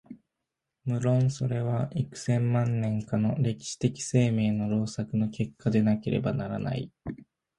無論それは幾千万年かの歴史的生命の労作の結果でなければならない。